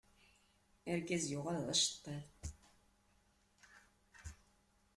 Argaz yuɣal d aceṭṭiḍ.